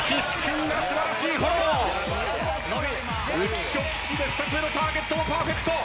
浮所岸で２つ目のターゲットはパーフェクト！